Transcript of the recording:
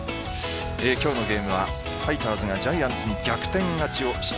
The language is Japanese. きょうのゲームはファイターズがジャイアンツに逆転勝ちしました。